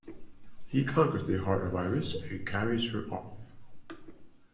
He conquers the heart of Iris and carries her off.